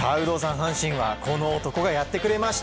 阪神はこの男がやってくれました！